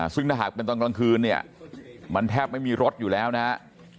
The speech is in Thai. ซึ่งถ้าหากเป็นตอนกลางคืนเนี่ยมันแทบไม่มีรถอยู่แล้วนะฮะ